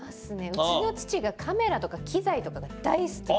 うちの父がカメラとか機材とかが大好きで。